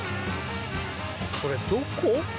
それどこ？